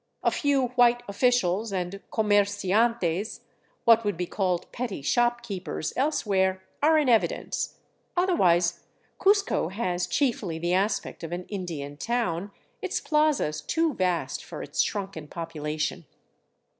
A few white officials and comerciantes, what would be called petty shopkeepers elsewhere, are in evidence; otherwise Cuzco has chiefly the aspect of an Indian town, its plazas too vast for its shrunken population.